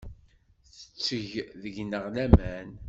Tetteg deg-neɣ laman.